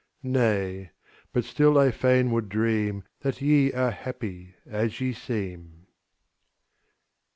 Nay but still I fain would dream That ye are happy as ye seem.